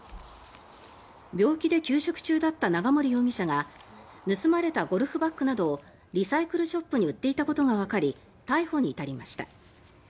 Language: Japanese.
病気で休職中だった長森容疑者が盗まれたゴルフバッグなどをリサイクルショップに売っていたことがわかり逮捕に至りました。